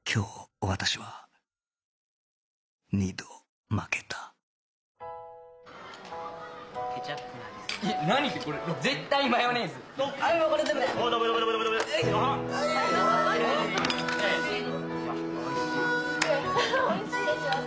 おいしいでしょ？